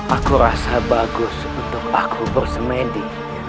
aku rasa bagus untuk aku bersemendi